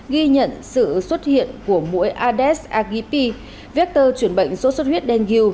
ghi nhận sự xuất hiện của mũi ades agipi vector chuyển bệnh sốt xuất huyết đen ghiu